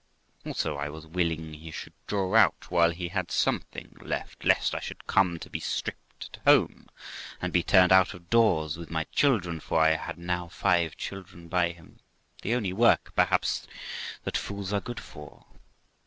Also I was willing he should draw out while he had something left, lest I should come to be stripped at home, and be turned out of doors with my children; for I had now five children by him, the only work (perhaps) that fools are good for.